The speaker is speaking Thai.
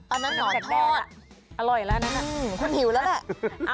อันนั้นหนอนทอดอร่อยแล้วนั่นน่ะโค่นิ่วแล้วแหละ